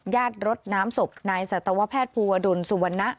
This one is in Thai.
ตรดน้ำศพนายสัตวแพทย์ภูวดลสุวรรณะ